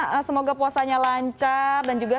dan juga semoga situasi disana juga berjalan lancar